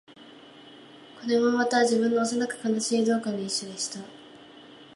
これもまた、自分の幼く悲しい道化の一種でした